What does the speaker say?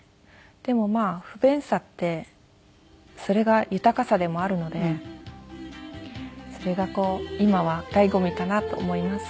でもまあ不便さってそれが豊かさでもあるのでそれがこう今は醍醐味かなと思います。